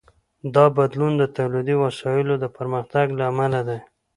دا بدلون د تولیدي وسایلو د پرمختګ له امله دی.